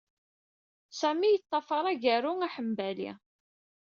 Sami yettḍafar agaru aḥembali.